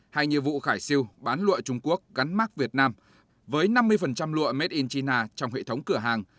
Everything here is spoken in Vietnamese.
hai nhiệm vụ khải siêu bán lụa trung quốc gắn mắt việt nam với năm mươi lụa made in china trong hệ thống cửa hàng